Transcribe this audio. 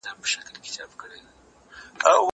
زه مخکي لیکل کړي وو!!